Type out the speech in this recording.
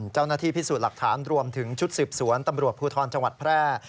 เจ้าหน้าที่พิสูจน์หลักฐานรวมถึงชุดสืบสวนตำรวจภูทรจังหวัดแพร่